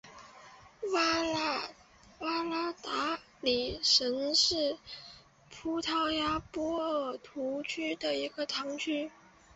瓦拉达里什是葡萄牙波尔图区的一个堂区。